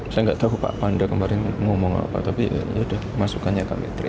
saya nggak tahu pak panda kemarin ngomong apa tapi yaudah masukannya kami terima